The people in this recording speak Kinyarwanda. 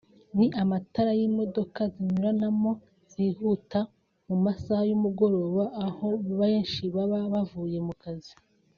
ni amatara y'imodoka zinyuranamo zihuta mu masaha y'umugoroba aho benshi baba bavuye ku kazi